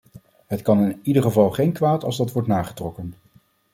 Het kan in ieder geval geen kwaad als dat wordt nagetrokken.